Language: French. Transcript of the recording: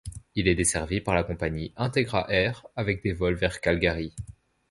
Il est desservi par la compagnie Integra Air, avec des vols vers Calgary.